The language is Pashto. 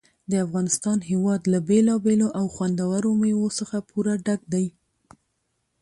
د افغانستان هېواد له بېلابېلو او خوندورو مېوو څخه پوره ډک دی.